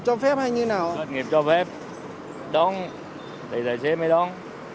doanh nghiệp cho phép đón thì tài xế mới đón